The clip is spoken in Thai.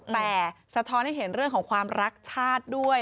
แต่สะท้อนให้เห็นเรื่องของความรักชาติด้วย